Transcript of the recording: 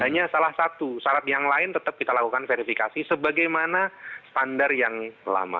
hanya salah satu syarat yang lain tetap kita lakukan verifikasi sebagaimana standar yang lama